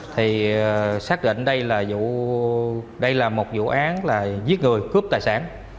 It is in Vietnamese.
thì xác định đây là một vụ án là giết người cướp tài sản